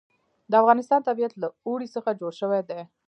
د افغانستان طبیعت له اوړي څخه جوړ شوی دی.